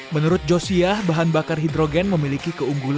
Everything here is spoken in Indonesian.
menurut josiah bahan bakar hidrogen memiliki keunggulan